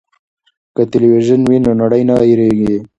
که تلویزیون وي نو نړۍ نه هیریږي.